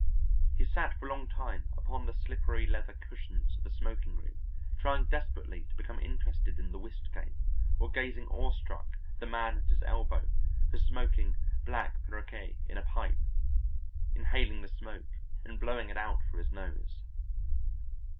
He sat for a long time upon the slippery leather cushions of the smoking room trying desperately to become interested in the whist game, or gazing awestruck at the man at his elbow who was smoking black Perrique in a pipe, inhaling the smoke and blowing it out through his nose.